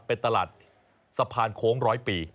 เป็นตลาดสะพานโค้งร้อยปี